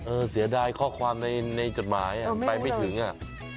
เสียดายข้อความในจดหมายอ่ะไปไม่ถึงอ่ะ